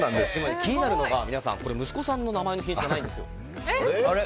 気になるのが息子さんの名前の品種がないんです。